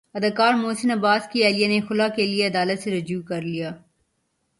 اداکار محسن عباس کی اہلیہ نے خلع کے لیے عدالت سےرجوع کر لیا